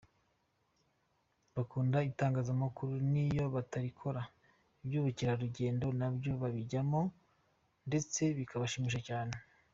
Bakunda itangazamakuru n’iyo batarikora, iby’ubukerarugendo na byo babijyamo ndetse bikabashimisha cyane.